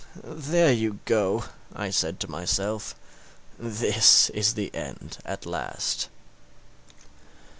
'There you go!' I said to myself; 'this is the end at last.'